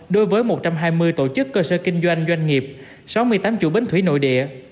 đối với một trăm hai mươi tổ chức cơ sở kinh doanh doanh nghiệp sáu mươi tám chủ bến thủy nội địa